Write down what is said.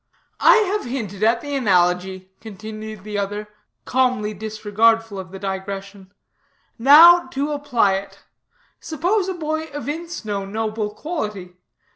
"I have hinted at the analogy," continued the other, calmly disregardful of the digression; "now to apply it. Suppose a boy evince no noble quality.